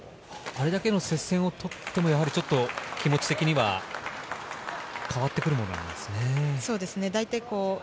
あれだけの接戦をとっても気持ち的には変わってくるものなんですね。